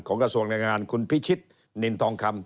กระทรวงแรงงานคุณพิชิตนินทองคำ